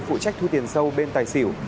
phụ trách thu tiền sâu bên tài xỉu